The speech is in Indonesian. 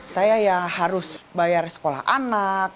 saya ya harus bayar sekolah anak